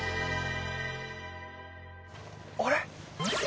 あれ？